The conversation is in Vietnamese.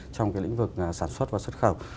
trong cái lĩnh vực sản xuất và xuất khẩu